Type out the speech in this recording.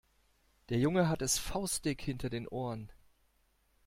Der Junge hat es faustdick hinter den Ohren.